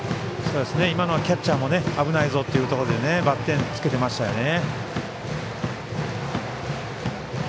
今のはキャッチャーも危ないぞっていうところでバッテンをつけてましたよね。